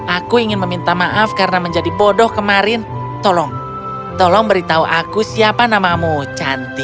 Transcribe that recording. aku ingin meminta maaf karena menjadi bodoh kemarin tolong tolong beritahu aku siapa namamu cantik